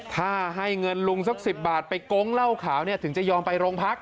ถ้าให้เงินลุงสัก๑๐บาทไปโก๊งเหล้าขาวเนี่ยถึงจะยอมไปโรงพัก